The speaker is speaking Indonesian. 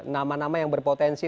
nama nama yang berpotensi